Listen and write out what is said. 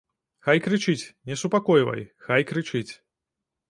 Хай крычыць, не супакойвай, хай крычыць.